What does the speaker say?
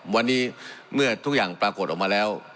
วันนี้เมื่อทุกอย่างปรากฏออกมาแล้ว